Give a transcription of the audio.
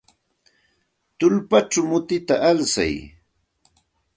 Tullpachaw mutita alsay.